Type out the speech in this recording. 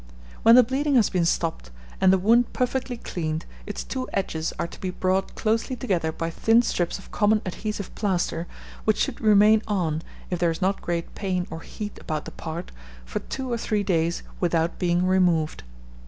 When the bleeding has been stopped, and the wound perfectly cleaned, its two edges are to be brought closely together by thin straps of common adhesive plaster, which should remain on, if there is not great pain or heat about the part, for two or three days, without being removed.